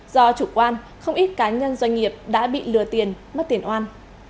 do chủ quan không ít cá nhân doanh nghiệp đã bị lừa tiền mất tiền oan